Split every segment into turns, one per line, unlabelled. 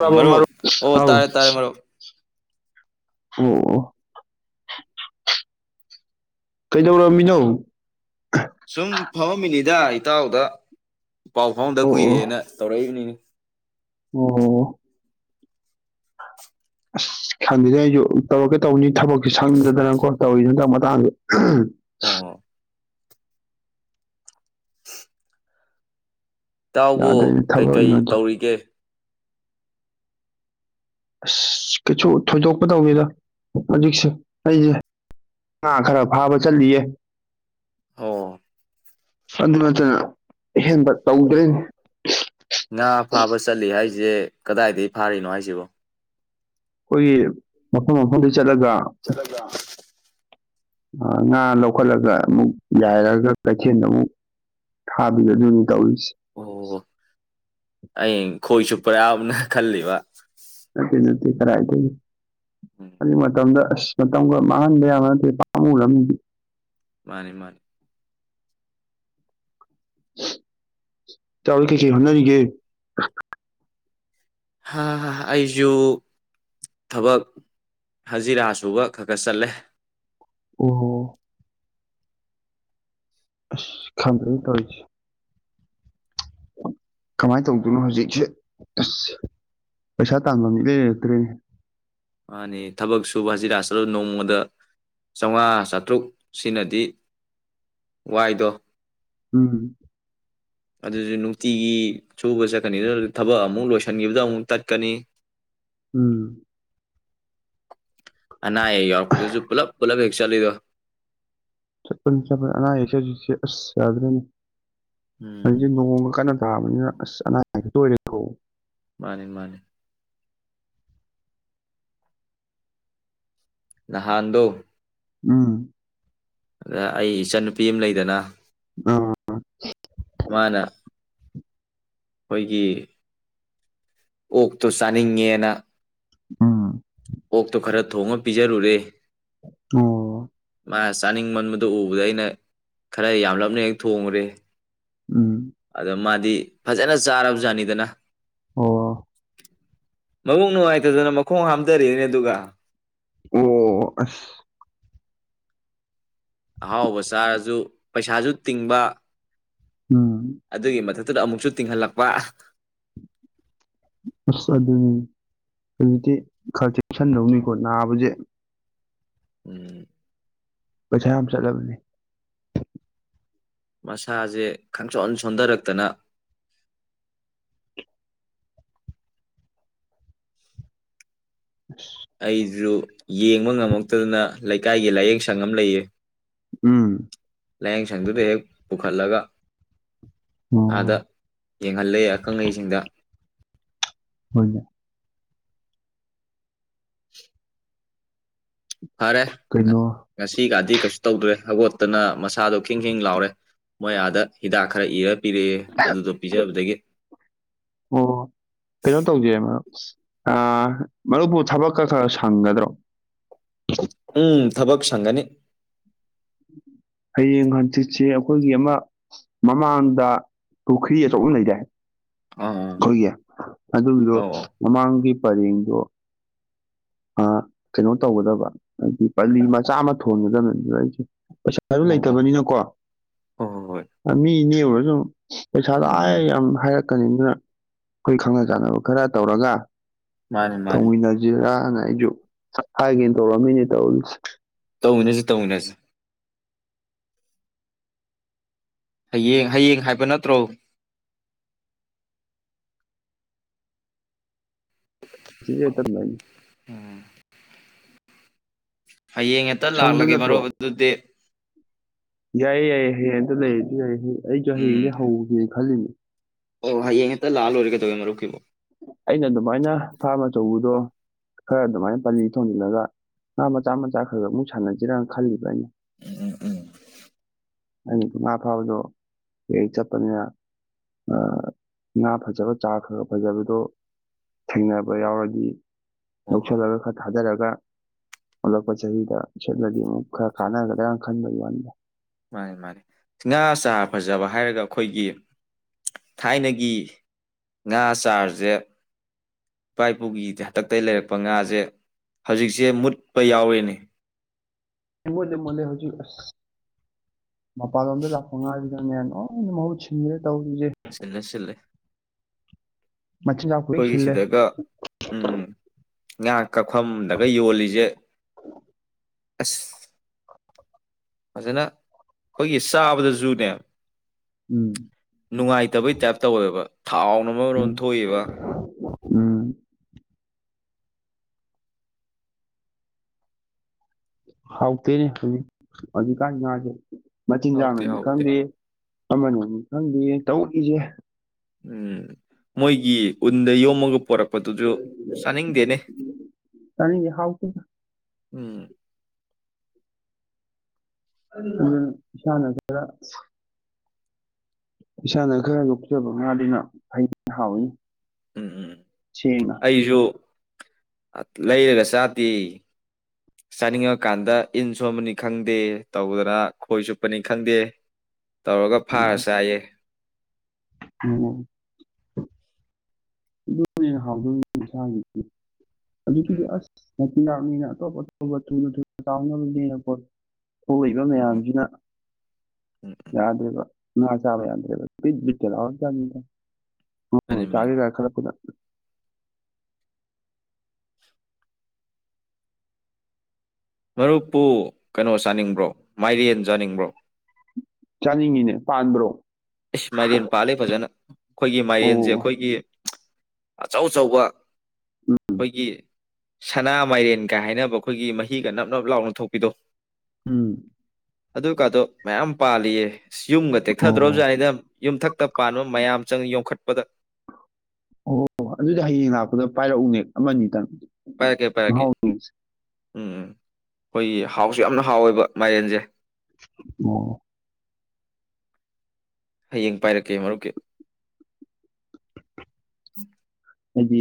ꯑꯣ
ꯕꯣ ꯃꯥꯔ
ꯃꯔꯨꯞ ꯑꯣ
ꯍꯥꯎ
ꯇꯥꯔꯦ ꯇꯥꯔꯦ ꯃꯔꯨꯞ
ꯑꯣ ꯀꯩꯗꯧꯔꯕꯝꯃꯤꯅꯣ
ꯏ ꯏꯇꯥꯎꯗ ꯄꯥꯎ ꯐꯥꯎꯗ
ꯑꯣ ꯑꯣ
ꯀꯨꯏꯔꯦꯅ ꯇꯧꯔꯛꯏꯕꯅꯤꯅꯤ
ꯑꯣ ꯍꯣ ꯑꯁ ꯈꯪꯗꯗ ꯑꯩꯁꯨ ꯇꯧꯔꯛꯀꯦ ꯇꯧꯅꯤ ꯊꯕꯛꯁꯦ ꯁꯪꯗꯗꯅꯀꯣ ꯇꯧꯔꯤꯗꯨ ꯍꯟꯗꯜ ꯃꯇꯥꯡꯗ
ꯑꯣ ꯏꯇꯥꯎꯕꯨ
ꯌꯥꯗ꯭ꯔꯦꯅꯦ
ꯀꯩꯀꯩ
ꯊꯕꯛꯅꯗꯣ
ꯇꯧꯔꯤꯒꯦ
ꯑꯁ ꯀꯩꯁꯨ ꯊꯣꯏꯗꯣꯛꯄ ꯇꯧꯅꯤꯗ ꯍꯧꯖꯤꯛꯁꯦ ꯑꯩꯁꯦ ꯉꯥ ꯈꯔ ꯐꯥꯕ ꯆꯠꯂꯤꯌꯦ
ꯑꯣ
ꯁꯗꯨꯅꯆꯅ [unintelligible] ꯑꯍꯦꯟꯕ ꯇꯧꯗ꯭ꯔꯦꯅꯦ
ꯁꯤꯁꯦ ꯀꯗꯥꯏꯗꯒꯤ ꯐꯥꯔꯤꯅꯣ ꯍꯥꯏꯁꯤꯕꯣ
ꯑꯩꯈꯣꯏ ꯃꯐꯝ ꯃꯐꯝꯗ ꯆꯠꯂꯒ ꯉꯥ ꯂꯧꯈꯠꯂꯒ ꯑꯃꯨꯛ ꯌꯥꯏꯔꯒ ꯀꯩꯊꯦꯜꯗ ꯑꯃꯨꯛ ꯊꯥꯕꯤꯗꯣ ꯑꯗꯨꯅꯤ ꯇꯧꯔꯤꯁꯦ
ꯑꯣ ꯑꯩ ꯈꯣꯣꯏ ꯆꯨꯞ ꯌꯥꯎꯕꯅ ꯈꯜꯜꯂꯤꯕ
ꯅꯠꯇꯦ ꯅꯠꯇꯦ ꯀꯔꯥꯏꯗꯒꯤ
ꯎꯝ
ꯅꯤ ꯃꯗ [unintelligible] ꯑꯁ ꯃꯇꯝꯒ ꯃꯥꯡꯍꯟꯕ ꯌꯥꯕ ꯅꯠꯇꯦ ꯄꯥꯝꯃꯨꯔꯅꯤ
ꯃꯥꯅꯤ ꯃꯥꯅꯤ
ꯏꯇꯥꯑꯣ ꯗꯤ ꯀꯔꯤ ꯀꯔꯤ ꯍꯣꯠꯅꯔꯤꯒꯦ
ꯍꯥ ꯍꯥ ꯑꯩꯁꯨ ꯊꯕꯛ ꯍꯖꯤꯔꯥ ꯁꯨꯕ ꯈ ꯈ ꯆꯠꯂꯦ
ꯑꯣ ꯈꯥꯟꯗ꯭ꯔ ꯇꯣꯏꯁꯤ ꯀꯃꯥꯏꯅ ꯇꯧꯗꯣꯏꯅꯣ ꯍꯧꯖꯤꯛꯁꯦ ꯑꯁ ꯄꯩꯁꯥ ꯇꯥꯟꯕ ꯃꯤꯗ ꯂꯩꯔꯛꯇ꯭ꯔꯦ
ꯃꯥꯅꯤ ꯊꯕꯛ ꯁꯨꯕ ꯍꯧꯖꯤꯔ ꯍꯥꯖꯤꯔ ꯅꯣꯡꯃꯗ ꯆꯥꯝꯃꯉꯥ ꯆꯥꯇ꯭ꯔꯨꯛ ꯁꯤꯅꯗꯤ ꯋꯥꯏꯗꯣ
ꯎꯝ
ꯑꯗꯨꯁꯨ ꯅꯨꯡꯇꯤꯒꯤ ꯁꯨꯕ ꯆꯠꯀꯅꯤ ꯑꯗꯨꯅ ꯊꯕꯛ ꯑꯃꯨꯛ ꯂꯣꯏꯁꯤꯟꯈꯤꯕꯗ ꯑꯃꯨꯛ ꯇꯠꯀꯅꯤ
ꯎꯝ
ꯅꯥ ꯌꯔꯁꯨ ꯄꯨꯂꯞ ꯄꯨꯂꯞ ꯍꯤ ꯆꯂꯤꯗꯣ
ꯅꯥꯁꯦ ꯑ ꯁꯥ ꯌꯥꯖꯔ ꯍꯥꯏ
ꯎꯝ
ꯂꯣꯡ ꯀꯅ ꯁꯥꯕꯅꯤꯅ ꯑꯁ ꯑꯅꯥꯇꯣꯏꯔꯦꯀꯣ
ꯃꯥꯅꯤ ꯃꯥꯅꯤ ꯅꯍꯥꯟꯗꯣ
ꯑꯥ
ꯑꯗ ꯑꯩ ꯏꯆꯟꯅꯨꯄꯤ ꯑꯃ ꯂꯩꯗꯅ
ꯑ
ꯃꯥꯅ ꯑꯩꯈꯣꯏꯒꯤ ꯑꯣꯛꯇꯣ ꯆꯥꯅꯤꯡꯉꯦꯅ
ꯎꯝ
ꯑꯣꯛꯇꯣ ꯈꯔ ꯊꯣꯡꯉ ꯄꯤꯖꯔꯨꯔꯦ
ꯑꯣ
ꯃꯥ ꯆꯥꯅꯤꯡ ꯃꯟꯕꯗꯨ ꯎꯕꯗ ꯑꯩꯅ ꯈꯔ ꯌꯥꯝꯂꯞꯅ ꯍꯦꯛ ꯊꯣꯡꯉꯨꯔꯦ
ꯎꯝ
ꯑꯗ ꯃꯥꯗꯤ ꯐꯖꯅ ꯆꯥꯔꯕꯖꯥꯅꯤꯗꯅ
ꯑꯣ
ꯃꯕꯨꯛ ꯅꯨꯡꯉꯥꯏꯇꯗꯅ ꯃꯈꯣꯡ ꯍꯥ ꯗꯔꯤꯅꯦ ꯑꯗꯨꯒꯒ
ꯑꯣ ꯑꯁ
ꯑꯍꯥꯎꯕ ꯆꯥꯔꯁꯨ ꯄꯩꯁꯥꯁꯨ ꯇꯤꯡꯕ
ꯎꯝ
ꯑꯗꯨꯒꯤ ꯃꯊꯛ ꯗ ꯑꯃꯨꯛꯁꯨ ꯇꯤꯡꯍꯜꯂꯛꯄ
ꯑꯁ ꯑꯗꯨꯅꯤ ꯍꯧꯖꯤꯛꯇꯤ ꯈꯔ ꯆꯦꯛꯁꯤꯟꯗꯧꯅꯤꯀꯣ ꯅꯥꯕꯁꯦ
ꯎꯝ
ꯄ ꯑꯝ ꯆꯂꯕꯅꯤ
ꯃꯁꯥꯁꯦ ꯈꯪꯆꯣꯟ ꯁꯣꯟꯊꯔꯛꯇꯅ ꯑꯩꯁꯨ ꯌꯦꯡꯕ ꯉꯝꯃꯛꯇꯗꯅ ꯂꯩꯀꯥꯏꯒꯤ ꯂꯥꯏꯌꯦꯡ ꯁꯪ ꯑꯃ ꯂꯩꯌꯦ
ꯎꯝ
ꯂꯥꯏꯌꯦꯡꯁꯪꯗꯨꯗ ꯍꯦꯛ ꯄꯨꯈꯠꯂꯒ
ꯑꯣ
ꯑꯥꯗ ꯌꯦꯡꯍꯜꯂꯦ ꯑꯈꯪ ꯑꯍꯩꯁꯤꯡꯗ
ꯍꯅ
ꯐꯔꯦ
ꯀꯩꯅꯣ
ꯉꯁꯤꯒꯗꯤ ꯀꯩꯁꯨ ꯇꯧꯗ꯭ꯔꯦ ꯍꯕꯠꯇꯅ ꯃꯁ ꯁꯥꯥꯗꯣ ꯈꯤꯡ ꯈꯤꯦꯡ ꯂꯥꯎꯔꯦ ꯃꯣꯏ ꯑꯥꯗ ꯍꯤꯗꯥꯛ ꯈꯔ ꯏꯔ ꯄꯤꯔꯛꯑꯦ ꯑꯗꯨꯗꯣ ꯄꯤꯖꯕꯗꯒꯤ
ꯑ ꯃꯔꯨꯞꯄꯨ ꯊꯕꯛꯀ ꯈꯔ ꯁꯪꯒꯗ꯭ꯔꯣ
ꯎꯝ ꯊꯕꯛ ꯁꯪꯒꯅꯤ
ꯍꯌꯦꯡ ꯍꯪꯆꯤꯠꯁꯦ ꯑꯩꯈꯣꯏꯒꯤ ꯑꯃ ꯃꯃꯥꯡꯗ ꯄꯨꯈ꯭ꯔꯤ ꯑꯆꯧ ꯑꯃ ꯂꯩꯔꯦ
ꯑꯥ ꯑꯥ
ꯑꯩꯈꯣꯏꯒꯤ ꯑꯗꯨꯒꯤꯗꯣ
ꯑꯧ ꯑꯧ
ꯃꯃꯥꯡꯒꯤ ꯐꯔꯒꯣ ꯑꯥꯑꯅꯣ ꯇꯧꯒꯗꯕ ꯍꯥꯏꯗꯤ ꯄꯜꯂꯤ ꯃꯆꯥ ꯑꯃ ꯊꯣꯟꯒꯗꯕꯅꯤ ꯑꯗꯨꯗ ꯑꯩꯁꯦ ꯄꯩꯁꯥ ꯑꯗꯨ
ꯍꯣ ꯍꯣ
ꯂꯩꯇꯕꯅꯤꯅꯀꯣ
ꯍꯣ ꯍꯣꯏ ꯍꯣꯏ
ꯃꯤ ꯅꯦꯑꯣꯏꯨꯔ ꯑꯗꯨꯣ
ꯎꯝ
ꯄꯩꯁꯥꯗꯑ
ꯎꯝ
ꯌꯥꯝ ꯍꯥꯏꯔꯛ ꯀꯅꯤꯗꯨꯅ ꯑꯩꯈꯣꯏ ꯈꯪꯅ ꯆꯥꯟꯅꯕ ꯈꯔ ꯇꯧꯔꯒ
ꯃꯥꯅꯤ ꯃꯥꯅꯤ
ꯇꯣꯏ ꯅꯖꯤ ꯑꯩ ꯍꯥꯏꯦ ꯇꯧ ꯃꯤꯅꯤ ꯇꯧꯜꯁꯤ
ꯇꯧꯅꯁꯤ ꯇꯧꯅꯁꯤ ꯍꯌꯦꯡ ꯍꯌꯦꯡ ꯍꯥꯏꯕ ꯅꯠꯇ꯭ꯔꯣ
ꯁꯤ ꯑꯦꯇꯅꯥ
ꯍꯌꯦꯡ ꯍꯦꯛꯇ
ꯁꯪꯗꯣꯏ
ꯂꯥꯛꯂꯒꯦ
ꯅꯠꯇ꯭ꯔꯣ
ꯃꯔꯨꯞ ꯑꯗꯨꯗꯤ
ꯌꯥꯏꯌꯦ ꯌꯥꯏꯌꯦ ꯌꯥꯌꯦ ꯑꯇ ꯂꯩꯌꯦꯗꯤ ꯌꯥꯏꯌꯦ ꯑꯩ ꯆꯍꯤꯗꯤ
ꯎꯝ
ꯍ ꯍꯧ ꯈꯜꯂꯤꯅꯤ
ꯑꯣ ꯍꯌꯦꯡ ꯍꯦꯛꯇ ꯂꯥꯜ ꯂꯔꯒꯦꯗꯧꯋꯦ ꯑꯃ ꯃꯔꯨꯛꯈꯤꯕꯣ
ꯑꯩꯅ ꯑꯗꯨꯃꯥꯏꯅ ꯐꯥꯔꯝ ꯑꯆꯧꯕꯗꯣ ꯈꯔ ꯑꯗꯨꯃꯥꯏꯅ ꯄꯖꯤ ꯊꯣꯡꯖꯤꯜꯂꯒ ꯉꯥ ꯃꯆꯥ ꯃꯆꯥ ꯈꯔ ꯈ ꯑꯃꯨꯛ ꯁꯥꯟꯅꯁꯤꯔꯅ ꯈꯜꯂꯤꯕ ꯑꯩꯅ
ꯎꯝ ꯎꯝ
ꯑꯅꯤ ꯄꯉꯥ ꯐꯥꯕꯗꯣ ꯀ ꯆꯠꯄꯅꯤꯅ ꯉꯥ ꯐꯖꯕ ꯆꯥꯈ꯭ꯔꯔ ꯐꯖꯕꯗꯣ ꯊꯦꯡꯅꯕ ꯌꯥꯎꯔꯗꯤ
ꯑꯣ ꯍꯣ
ꯂꯧꯁꯜꯂꯒ ꯈꯔ ꯊꯥꯖꯔꯒ ꯑꯣꯂꯛꯄ ꯆꯍꯤꯗꯠꯂꯗꯤ ꯑꯃꯨꯛ ꯈꯔ ꯈꯅꯒꯗ ꯈꯟꯕꯒꯤ ꯋꯥꯗ
ꯃꯥꯅꯤ ꯃꯥꯅꯤ ꯉꯥ ꯆꯥꯔ ꯐꯖꯕ ꯍꯥꯏꯔꯒ ꯑꯩꯈꯣꯏꯒꯤ ꯊꯥꯏꯅꯒꯤ ꯉꯥ ꯆꯥꯔꯁꯦ ꯏꯄꯥ ꯏꯄꯨꯒꯤ ꯍꯥꯛꯇꯛꯇꯒꯤ ꯂꯩꯔꯛꯄ ꯉꯥꯁꯦ ꯍꯧꯖꯤꯛꯁꯦ ꯃꯨꯠꯄ ꯌꯥꯎꯔꯤꯅꯤ
ꯃꯨꯠꯂꯦ ꯃꯨ ꯍꯧꯖꯤꯛ ꯑꯁ ꯃꯄꯥꯟꯂꯣꯝꯗ ꯂꯥꯛꯄ ꯉꯥ ꯁꯤꯅꯅꯦ ꯃꯍꯨꯠ ꯁꯤꯔꯦ ꯇꯧꯔꯤꯁꯦ
ꯁꯤꯂꯦ ꯁꯤꯂꯦ
ꯃꯆꯤꯟꯖꯥꯛꯄꯨ ꯂꯣꯏ
ꯑꯩꯈꯣꯏꯒꯤ
ꯁꯤꯜꯂꯦ
ꯁꯤꯗꯒ ꯎꯝ ꯉꯥ ꯀꯛꯐꯝꯗꯒ ꯌꯣꯜꯂꯤꯁꯦ ꯑꯁ ꯐꯖꯅ ꯑꯩꯈꯣꯏꯒꯤ ꯆꯥꯕꯗꯖꯨꯅꯦ
ꯎꯝ
ꯅꯨꯡꯉꯥꯏꯇꯕꯩ ꯇꯥꯏꯞ ꯇꯧꯋꯦꯕ ꯊꯥꯎꯅ
ꯎꯝ
ꯑꯃꯃꯣꯝ ꯊꯣꯛꯏꯕ
ꯎꯝ ꯍꯥꯎ ꯇꯅꯦ ꯍꯧꯖꯤ ꯀꯥꯟ ꯉꯥꯖꯦ
ꯍꯥꯎꯇꯦ
ꯃꯆꯤꯟꯖꯥꯛꯅꯅꯤ
ꯍꯥꯎꯇꯦ
ꯈꯪꯗꯦ ꯑꯃꯅꯤ ꯈꯪꯗꯦ ꯇꯧꯔꯛꯏꯁꯦ
ꯎꯝ ꯃꯣꯏꯒꯤ ꯎꯟꯗ ꯌꯣꯝꯃꯒ ꯄꯨꯔꯛ
ꯀꯅꯤ ꯍꯥꯎ ꯀ
ꯎꯝ
ꯑꯗꯨꯝ ꯏꯁꯥꯅ ꯈꯔ ꯏꯁꯥꯅ ꯈꯔ ꯌꯣꯛꯆꯕ ꯉꯥꯅꯤꯅ ꯍꯥꯎꯏ꯫
ꯎꯝ-ꯎꯝ-ꯑꯩꯖꯨ꯫ ꯂꯩꯔꯒ ꯆꯥꯗꯦ ꯆꯥꯅꯤꯡꯉꯀꯥꯟꯗ ꯏꯟ ꯁꯣꯟꯕꯅꯤ ꯈꯪꯗꯦ ꯇꯧꯗꯅ ꯈꯣꯏ ꯆꯨꯞꯄꯅꯤ ꯈꯪꯗꯦ꯫ ꯇꯧꯔꯒ ꯐꯥꯔ ꯆꯥꯏꯌꯦ꯫
ꯎꯝ ꯑꯗꯨꯅꯦ ꯍꯥꯎꯗꯣꯏꯅꯦ ꯏꯪꯁꯥꯡꯒꯤꯗꯤ꯫ ꯑꯗꯨꯒꯤꯗꯤ
ꯎꯝ
ꯑꯥꯁ꯫ ꯑꯇꯣꯞ ꯑꯇꯣꯞꯄ ꯊꯨꯅ-ꯊꯨꯅ ꯆꯥꯎꯕꯅꯦꯅ꯫ [inaudible] ꯊꯣꯛꯏꯕ
ꯎꯝ
ꯃꯌꯥꯝꯁꯤꯅ
ꯎꯝ
ꯌꯥꯗ꯭ꯔꯦꯕ꯫ ꯉ ꯆꯥꯕ ꯌꯥꯗ꯭ꯔꯦꯕ [inaudible] ꯎꯝ
ꯃꯥꯅꯤ ꯃꯥꯅꯤ
ꯆꯥꯔꯦꯗ ꯈꯔ [unintelligible]
ꯃꯔꯨꯞꯄꯨ ꯀꯩꯅꯣ ꯆꯥꯅꯤꯡꯕ꯭ꯔꯣ ꯃꯥꯏꯔꯦꯟ ꯆꯥꯅꯤꯡꯕ꯭ꯔꯣ꯫
ꯆꯥꯅꯤꯡꯉꯤꯅꯦ ꯄꯥꯟꯕ꯭ꯔꯣ
ꯏꯁ ꯃꯥꯢꯔꯦꯟ ꯄꯥꯂꯦ ꯐꯖꯅ ꯑꯩꯈꯣꯏꯒꯤ ꯃꯌꯦꯟꯖꯦ
ꯑꯣ
ꯑꯩꯈꯣꯏꯒꯤ ꯑꯆꯧ ꯑꯆꯧꯕ ꯈꯣꯢꯒꯤ ꯁꯅꯥ ꯃꯥꯏꯔꯦꯟꯒ ꯍꯥꯏꯅꯕ ꯑꯩꯈꯣꯏꯒꯤ ꯃꯍꯤꯒ ꯅꯞ ꯅꯞ ꯂꯥꯎꯅ ꯊꯣꯛꯄꯤꯗꯣ
ꯎꯝ
ꯑꯗꯨꯒꯗꯣ ꯃꯌꯥꯝ ꯄꯥꯜꯂꯤꯌꯦ ꯢꯁ ꯌꯨꯝꯒ ꯇꯦꯛꯊꯗ꯭ꯔꯣ
ꯑꯣ
ꯖꯥ [inaudible] ꯌꯨꯝꯊꯛꯇ ꯄꯥꯟꯕ ꯃꯌꯥꯝ ꯆꯪ ꯌꯣꯈꯠ [inaudible] ꯄꯗ
ꯑꯣ-ꯑꯣ ꯑꯗꯨꯗꯤ ꯍꯌꯦꯡ ꯂꯥꯛꯄꯗ ꯄꯥꯏꯔꯛꯎꯅꯦ ꯑꯃꯅꯤꯇꯪ
ꯄꯥꯏꯔꯛꯀꯦ ꯄꯥꯏꯔꯛꯀꯦ
ꯃꯍꯥꯎꯒꯤ
ꯎꯝ ꯎꯝ ꯑꯩꯈꯣꯏꯒꯤ ꯍꯥꯎꯁꯨ ꯌꯥꯝꯅ ꯍꯥꯎꯋꯦꯕ ꯃꯥꯏꯔꯦꯟꯖꯦ
ꯑꯣ
ꯍꯌꯦꯡ ꯄꯥꯏꯔꯛꯀꯦ ꯃꯔꯨꯞꯀꯤ
ꯍꯥꯏꯗꯤ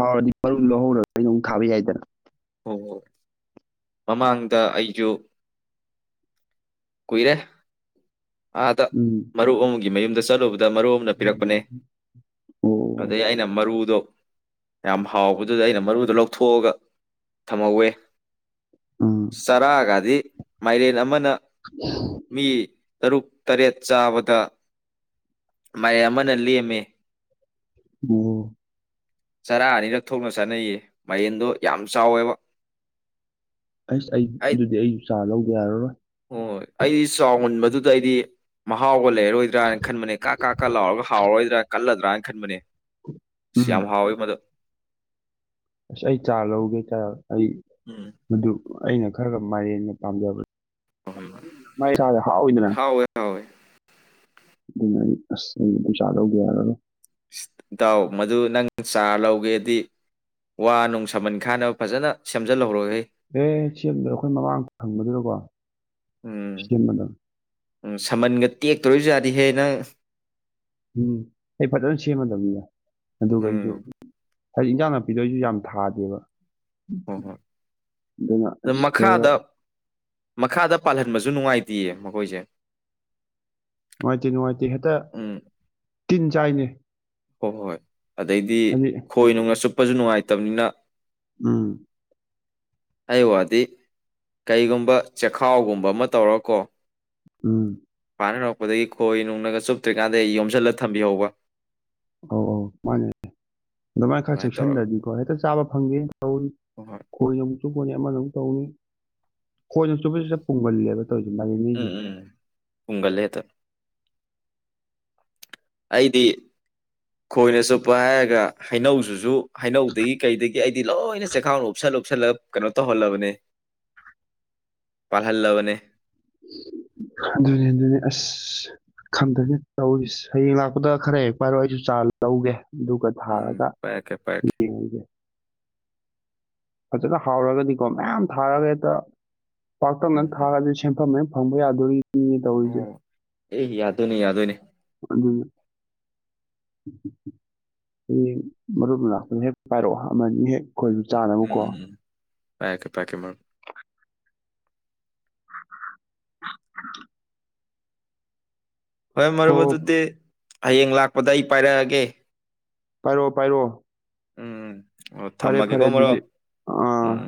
ꯍꯥꯎꯔꯗꯤ ꯃꯔꯨ ꯂꯧꯍꯧꯔꯒ ꯑꯩꯅꯃꯨꯛ ꯊꯥꯕ ꯌꯥꯏꯗꯅ
ꯑꯧ ꯑꯧ ꯃꯃꯥꯡꯗ ꯑꯩꯖꯨ ꯀꯨꯏꯔꯦ ꯑꯗ
ꯎꯝ
ꯃꯔꯨꯔ [inaudible] ꯒꯤ ꯃꯌꯨꯝꯗ ꯆꯠꯂꯨꯕ ꯑꯗꯨ ꯗ ꯃꯔꯨ ꯑꯃꯅ ꯄꯤꯔꯛꯄꯅꯦ
ꯑꯣ
ꯑꯗꯩ ꯑꯩꯅ ꯃꯔꯨꯗꯣ ꯌꯥꯝ ꯍꯥꯎꯕꯗꯨꯗ ꯑꯩꯅ ꯃꯔꯨꯗꯣ ꯂꯧꯊꯣꯒ ꯊꯝꯍꯧꯋꯦ
ꯎꯝ
ꯆꯔꯥꯒꯗꯤ ꯃꯥꯏꯔꯦꯜ ꯑꯃꯅ
ꯍꯨꯍ
ꯃꯤ ꯇꯔꯨꯛ ꯇꯔꯦꯠ ꯆꯥꯕꯗ ꯃꯌꯥꯝ ꯑꯃꯅ ꯂꯦꯝꯃꯦ
ꯑꯕꯨꯉꯣ
ꯆꯔꯥ ꯑꯅꯤꯔꯛ ꯊꯣꯛꯅ ꯆꯥꯅꯩꯌꯦ ꯃꯌꯦꯟꯗꯣ ꯌꯥꯝ ꯆꯥꯎꯑꯦꯕ
ꯑꯩꯁ ꯑꯩ ꯑꯗꯨꯗꯤ ꯑꯩ ꯆꯥ ꯂꯧ ꯌꯥꯔꯔꯣꯏ
ꯍꯣꯏ ꯑꯩ ꯆꯥꯎꯍꯟꯕ ꯑꯗꯨꯗ ꯑꯩꯗꯤ ꯃꯍꯥꯎꯒ ꯂꯩꯔꯣꯏꯗ꯭ꯔꯥꯅ ꯈꯟꯕꯅꯦ ꯀꯥꯛ-ꯀꯥꯛ-ꯀꯥꯛ ꯂꯥꯎꯔꯒ ꯍꯥꯎꯔꯣꯏꯗ꯭ꯔꯥ ꯀꯜꯂ ꯇ꯭ꯔꯥꯅ ꯈꯟꯕꯅꯤ ꯏꯁ
ꯎꯝ
ꯌꯥꯝ ꯍꯥꯎꯋꯦ ꯃꯗꯨ
ꯑꯁ ꯑꯩ-ꯆꯥ ꯂꯧꯒꯦ
ꯎꯝ
ꯆꯥ-ꯑꯩ-ꯑꯗꯨ ꯑꯩꯅ ꯈꯔꯒ ꯃꯥꯏꯔꯦꯟ ꯄꯥꯝꯖꯕ ꯃꯥꯏ ꯏꯁꯥꯡꯗꯣ ꯍꯥꯎꯏꯗꯅ
ꯍꯥꯎꯋꯦ ꯍꯥꯎꯋꯦ
ꯑꯗꯨꯅ ꯑꯩ ꯑꯁ ꯆꯥꯔ ꯂꯧꯗ ꯌꯥꯔꯔꯣꯏ
ꯏꯇꯥꯎ ꯃꯗꯨ ꯅꯪ ꯆꯥꯔ ꯂꯧꯒꯦꯗꯤ ꯋꯥ-ꯅꯨꯡ ꯁꯃꯟ ꯈꯥꯅꯕ ꯐꯖꯅ ꯁꯦꯝꯖꯤꯜꯍꯧꯔꯣꯍꯦ
ꯑꯦ ꯁꯦꯝꯗꯤ ꯑꯩꯈꯣꯏ ꯃꯃꯥꯡ ꯐꯪꯕꯗꯨꯗꯀꯣ ꯁꯦꯝꯃꯗ
ꯎꯨꯝ ꯁꯃꯟꯒ ꯇꯦꯛꯇꯣꯔꯤꯖꯥꯠꯅꯤꯍꯦ ꯅꯪ
ꯎꯝ ꯑꯩ ꯐꯖꯅ ꯁꯦꯝꯃꯗꯝꯅꯤ ꯕꯥꯏ ꯑꯗꯨꯒ
ꯎꯝ
ꯑꯩꯁꯨ ꯍꯥꯏꯗꯤ ꯏꯟꯖꯥꯡ ꯅꯥꯄꯤꯗꯣ ꯑꯩꯁꯨ ꯌꯥꯝ ꯊꯥꯗꯦꯕ
ꯍꯣꯏ-ꯍꯣꯏ
ꯑꯗꯨꯅ
ꯑꯗꯨ
ꯑꯁ ꯈꯔ
ꯃꯈꯥꯗ-ꯃꯈꯥꯗ ꯄꯥꯜꯍꯟꯕꯁ ꯨ ꯑꯗꯨ ꯅꯨꯡꯉꯥꯏꯇꯦꯌꯦ ꯃꯈꯣꯏꯁꯦ
ꯅꯨꯡꯉꯥꯏꯇꯦ ꯅꯨꯡꯉꯥꯏꯇꯦ ꯍꯦꯛꯇ ꯇꯤꯟ ꯆꯥꯏꯅꯦ
ꯍꯣ-ꯍꯣꯏ ꯑꯗꯩꯗꯤ
ꯍꯥꯏꯗꯤ
ꯈꯣꯏꯅꯨꯡꯅ ꯆꯨꯞ ꯄꯁꯨ ꯅꯨꯡꯉꯥꯏꯇꯕꯅꯤꯅ
ꯎꯝ
ꯑꯩꯒꯤ ꯋꯥꯗꯤ ꯀꯩꯒꯨꯝꯕ ꯆꯦꯈꯥꯎꯒꯨꯝꯕ ꯑꯃ ꯇꯧꯔꯀꯣ
ꯎꯨꯝ
ꯄꯥꯟ ꯍꯧꯔꯛꯄꯗꯒꯤ ꯈꯣꯏ ꯅꯨꯡꯅꯒ ꯆꯨꯞꯇ꯭ꯔꯤꯀꯥꯟꯗ ꯌꯣꯝꯁꯤꯜꯂꯒ ꯊꯝꯕꯤꯍꯧꯕ
ꯑꯧ-ꯑꯧ ꯃꯥꯅꯤ ꯑꯗꯨꯃꯥꯏꯅ ꯈꯔ ꯆꯦꯛꯁꯤꯟꯗ꯭ꯔꯗꯤꯀꯣ ꯍꯦꯛꯇ ꯆꯥꯕ ꯐꯪꯗꯦ ꯂꯧꯁꯤꯟꯕ
ꯍꯣꯏ ꯍꯣꯏ
ꯉꯝꯗꯕ ꯆꯨꯞꯄꯨꯅꯤ ꯑꯃꯒꯃꯨꯛ ꯇꯧꯅꯤ ꯈꯣꯏꯅ ꯆꯨꯞꯄꯖꯦ ꯁꯠ ꯄꯨꯝꯒꯜꯂꯦꯕ ꯇꯧꯔꯤꯁꯦ ꯃꯥꯏꯔꯦꯟꯈꯩꯁꯦ
ꯎꯝ ꯎꯝꯒꯜꯂꯦ ꯍꯦꯛꯇ ꯑꯩꯗꯤ ꯈꯣꯏꯅ ꯆꯠꯄ ꯍꯥꯏꯔꯒ ꯍꯩꯅꯧꯖꯨꯖꯨ ꯍꯩꯅꯧꯗꯒꯤ ꯀꯩꯗꯒꯤ ꯑꯩꯗꯤ ꯂꯣꯏꯅ ꯆꯦꯛꯈꯥꯎꯅ ꯎꯞꯁꯜꯂꯨ- ꯎꯞꯁꯜꯂꯞ ꯀꯩꯅꯣ ꯇꯧꯍꯜꯂꯕꯅꯦ ꯄꯥꯜꯍꯜꯂꯕꯅꯦ
ꯑꯗꯨꯅꯤꯅꯦ ꯑꯗꯨꯅꯦ ꯑꯁ ꯈꯪꯗꯦꯅꯦ ꯇꯧꯔꯤꯖꯦ ꯍꯌꯦꯡ ꯂꯥꯛꯄꯗ ꯈꯔ ꯍꯦꯛ ꯄꯥꯏꯔꯛꯑꯣ ꯑꯩꯁꯨ ꯆꯥꯔ ꯂꯧꯒꯦ ꯑꯗꯨꯒ
ꯎꯝ ꯎꯝ
ꯊꯥꯔꯒ
ꯄꯥꯏꯔꯛꯀꯦ ꯄꯥꯏꯔꯛꯀꯦ
ꯌꯦꯡꯉꯨꯒꯤꯒꯦ ꯐꯖꯅ ꯍꯥꯎꯔꯒꯗꯤꯀꯣ ꯃꯌꯥꯝ ꯊꯥꯔꯒ ꯍꯦꯛꯇ- ꯄꯥꯛꯇꯛꯅ
ꯎꯝ ꯎꯝ
ꯊꯥꯔꯗꯤ ꯁꯦꯟꯐꯝꯅꯦ ꯂꯧꯁꯤꯟꯕ ꯉꯝꯗꯕ ꯁꯤꯅꯤ ꯇꯧꯔꯤꯖꯦ
ꯑꯣ ꯑꯦ ꯌꯥꯗꯣꯏꯅꯦ ꯌꯥꯗꯣꯏꯅꯦ
ꯑꯗꯨꯕꯨ ꯍꯌꯦꯡ ꯃꯔꯨꯞ ꯂꯥꯛꯄꯗ ꯍꯦꯛ ꯄꯥꯏꯔꯛꯑꯣ ꯑꯃ ꯑꯅꯤ ꯍꯦꯛ ꯑꯩꯈꯣꯏꯁꯨ
ꯎꯝ
ꯆꯥꯅꯕꯀꯣ-
ꯎꯝ ꯎꯝ ꯄꯥꯏꯔꯛꯀꯦ ꯄꯥꯏꯔꯛꯀꯦ ꯃꯔꯨꯞ ꯐꯔꯦ
ꯍꯣ
ꯃꯔꯨꯞ ꯑꯗꯨꯨꯗꯤ ꯍꯌꯦꯡ ꯂꯥꯛꯄꯗ ꯑꯩ ꯄꯥꯏꯔꯛꯑꯒꯦ-
ꯄꯥꯏꯔꯛꯑꯣ ꯄꯥꯏꯔꯣ
ꯎꯝ- ꯑꯣ
ꯐꯔꯦ ꯐꯔꯦ
ꯊꯝꯃꯒꯦꯀꯣ
ꯑꯗꯨꯗꯤ
ꯃꯔꯨꯞ
ꯑꯥ
ꯎꯝ ꯎꯝ